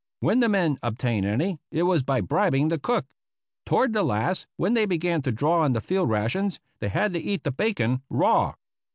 When the men obtained any, it was by bribing the cook. Toward the last, when they began to draw on the field rations, they had to eat the bacon raw.